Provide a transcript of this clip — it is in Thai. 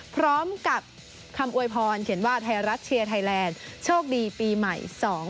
พร้อมกับคำอวยพรเขียนว่าไทยรัฐเชียร์ไทยแลนด์โชคดีปีใหม่๒๕๖